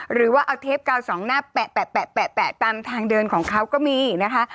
หรือว่าเอาเทปกาวสองหน้าแปะตามทางเดินของเขาก็มีนะคะ